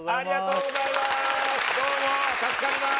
どうも助かります